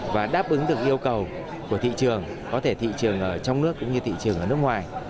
và đáp ứng được yêu cầu của thị trường có thể thị trường trong nước cũng như thị trường ở nước ngoài